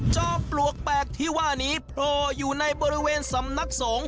ปลวกแปลกที่ว่านี้โผล่อยู่ในบริเวณสำนักสงฆ